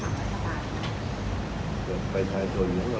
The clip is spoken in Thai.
อาจจะทำให้ประชาชนเขาคิดว่า